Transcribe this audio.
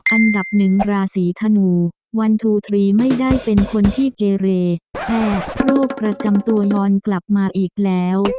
อันดับ๑ราศีธนู๑๒๓ไม่ได้เป็นคนที่เกเรแพร่โรคประจำตัวยอนกลับมาอีกแล้ว